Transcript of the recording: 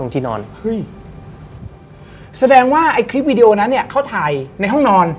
ที่นอนเฮ้ยแสดงว่าไอ้คลิปวิดีโอนั้นเนี่ยเขาถ่ายในห้องนอน